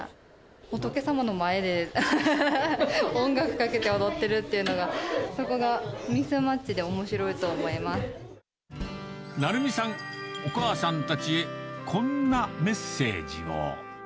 仏様の前で、音楽かけて踊ってるっていうのが、そこがミスマッチでおもしろいと成美さん、お母さんたちへ、こんなメッセージを。